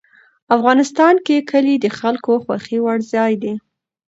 افغانستان کې کلي د خلکو خوښې وړ ځای دی.